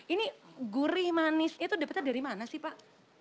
ini gurih manis itu dapatnya dari mana sih pak